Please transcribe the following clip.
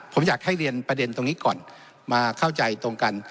ผมอยากให้เรียนประเด็นตรงนี้ก่อนมาเข้าใจตรงกัน